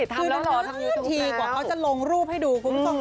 คือน้ำน้ำทั้งทีกว่าเขาจะลงรูปให้ดูคุณผู้ชม